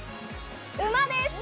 馬です。